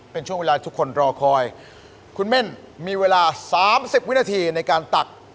เป็นช่วงเวลาทุกคนรอคอยคุณเม่นมีเวลา๓๐วินาทีในการตัก